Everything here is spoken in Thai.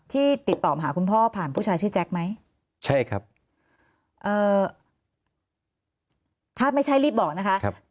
ถ้าไม่ใช่รีบบอกนะคะ